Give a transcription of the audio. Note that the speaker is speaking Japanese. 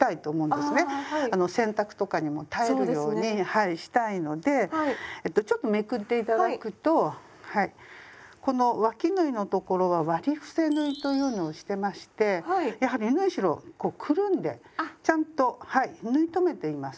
はいしたいのでちょっとめくって頂くとこのわき縫いの所は「割り伏せ縫い」というのをしてましてやはり縫い代をくるんでちゃんとはい縫い留めています。